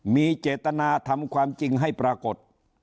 มีเจตนาทำความจริงให้ปรากฏ